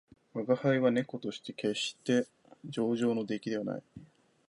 吾輩は猫として決して上乗の出来ではない